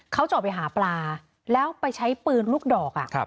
เขาจะออกไปหาปลาแล้วไปใช้ปืนลูกดอก